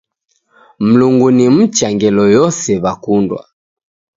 Mlungu ni mcha ngelo yose w'akundwa